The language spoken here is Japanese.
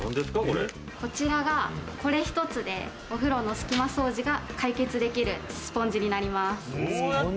こちらがこれ一つでお風呂の隙間掃除が解決できるスポンジになります。